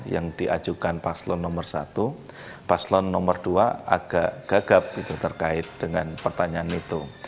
yang diajukan paslon nomor satu paslon nomor dua agak gagap itu terkait dengan pertanyaan itu